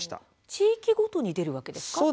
地域ごとに出るんですか。